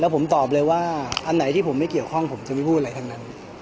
ผมตอบเลยว่าอันไหนที่ผมไม่เกี่ยวข้องผมจะไม่พูดอะไรทั้งนั้น